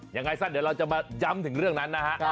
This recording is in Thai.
ยังไงซะเดี๋ยวเราจะมาย้ำถึงเรื่องนั้นนะฮะ